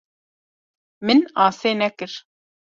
Min asê nekir.